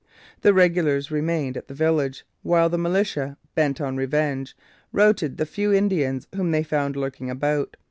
The regulars remained at the village, while the militia, bent on revenge, routed the few Indians whom they found lurking about.